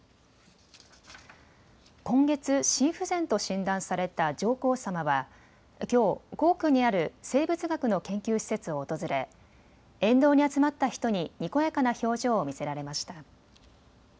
今月、心不全と診断された上皇さまはきょう、皇居にある生物学の研究施設を訪れ沿道に集まった人ににこやかな表情を見せられました。